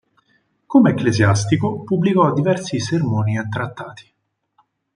Come ecclesiastico, pubblicò diversi sermoni e trattati